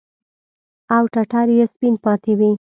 او ټټر يې سپين پاته وي.